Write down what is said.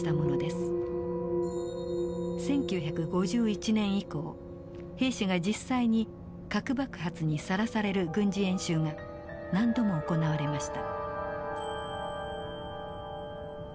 １９５１年以降兵士が実際に核爆発にさらされる軍事演習が何度も行われました。